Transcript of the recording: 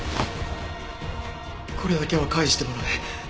これだけは返してもらう。